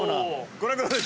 ご覧ください。